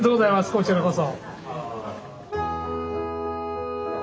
こちらこそ。